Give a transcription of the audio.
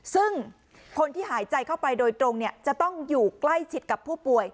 ซึ่งคนที่หายใจเข้าไปโดยตรงจะต้องอยู่ใกล้ชิดกับผู้ป่วย